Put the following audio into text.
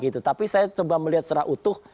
tapi saya coba melihat secara utuh